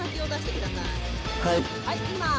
はい行きます。